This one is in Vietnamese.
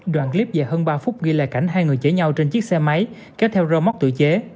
đoạn clip dài hơn ba phút ghi lại cảnh hai người chở nhau trên chiếc xe máy kéo theo rơ móc tự chế